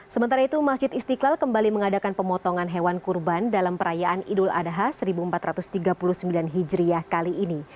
sementara itu masjid istiqlal kembali mengadakan pemotongan hewan kurban dalam perayaan idul adha seribu empat ratus tiga puluh sembilan hijriah kali ini